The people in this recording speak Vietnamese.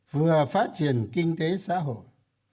vừa phát triển kinh tế xã hội